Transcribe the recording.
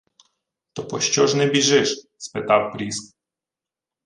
— То пощо ж не біжиш? — спитав Пріск.